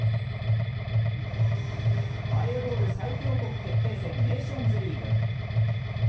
バレーボール最強国決定戦ネーションズリーグ。